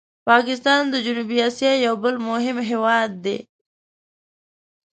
پاکستان د جنوبي آسیا یو بل مهم هېواد دی.